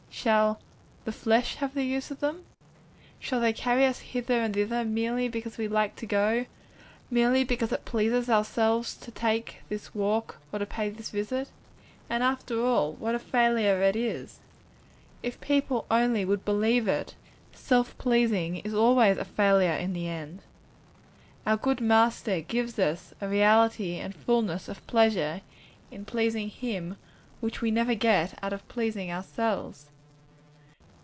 Shall 'the flesh' have the use of them? Shall they carry us hither and thither merely because we like to go, merely because it pleases ourselves to take this walk or pay this visit? And after all, what a failure it is! If people only would believe it, self pleasing is always a failure in the end. Our good Master gives us a reality and fulness of pleasure in pleasing Him which we never get out of pleasing ourselves.